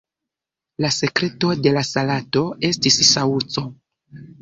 La sekreto de la salato estis saŭco.